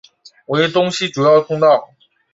为东西主要通道。